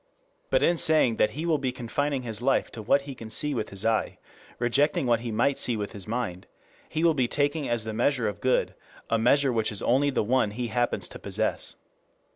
But in saying that he will be confining his life to what he can see with his eye, rejecting what he might see with his mind; he will be taking as the measure of good a measure which is only the one he happens to possess.